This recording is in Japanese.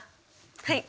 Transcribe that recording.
はい。